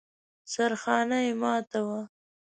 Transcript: سرخانه يې ماته وه.